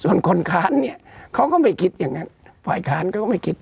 ส่วนคนค้านเนี่ยเขาก็ไม่คิดอย่างนั้นฝ่ายค้านเขาก็ไม่คิด